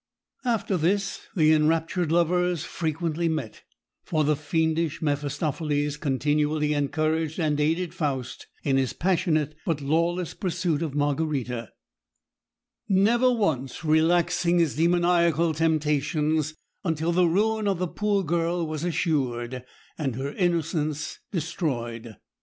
After this the enraptured lovers frequently met; for the fiendish Mephistopheles continually encouraged and aided Faust in his passionate but lawless pursuit of Margarita, never once relaxing his demoniacal temptations until the ruin of the poor girl was assured, and her innocence destroyed.